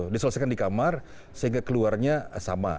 diselesaikan di kamar sehingga keluarnya sama